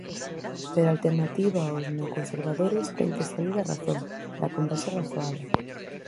Pero a alternativa aos neoconservadores ten que saír da razón, da conversa razoada.